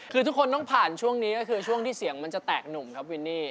คือทุกคนต้องผ่านช่วงนี้ก็คือช่วงที่เสียงมันจะแตกหนุ่มครับวินนี่